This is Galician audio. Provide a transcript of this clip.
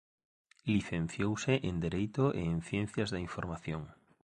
Licenciouse en Dereito e en Ciencias da Información.